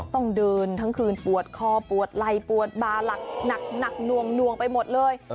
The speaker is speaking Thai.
ต้องเดินทั้งคืนปวดคอปวดไหล่ปวดบาหลักหนักหน่วงไปหมดเลย